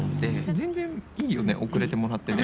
全然いいよね遅れてもらってね。